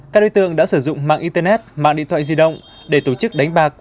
các đối tượng đã sử dụng mạng internet mạng điện thoại di động để tổ chức đánh bạc